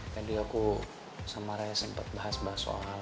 tadi aku sama raya sempat bahas bahas soal